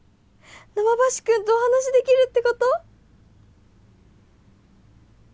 生バシ君とお話しできるってこと？